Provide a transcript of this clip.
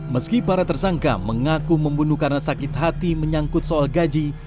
meski para tersangka mengaku membunuh karena sakit hati menyangkut soal gaji